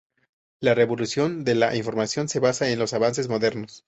La revolución de la información se basa en los avances modernos.